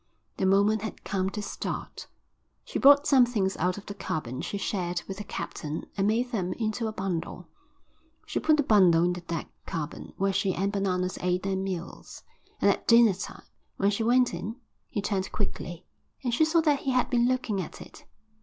The moment had come to start. She brought some things out of the cabin she shared with the captain and made them into a bundle. She put the bundle in the deck cabin where she and Bananas ate their meals, and at dinner time, when she went in, he turned quickly and she saw that he had been looking at it.